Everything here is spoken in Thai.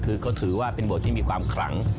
คือเขาถือว่าเป็นโบสถ์ที่มีความขลัง